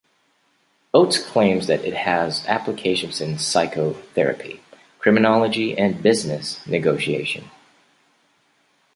Oates claims that it has applications in psychotherapy, criminology and business negotiation.